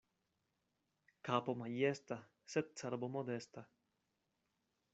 Kapo majesta, sed cerbo modesta.